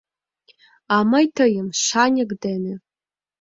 — А мый тыйым — шаньык дене!